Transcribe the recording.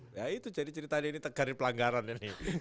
ya itu jadi ceritanya ini tegar ini pelanggaran ini